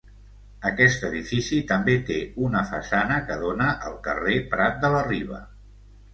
Aquest edifici també té una façana que dóna al carrer Prat de la Riba.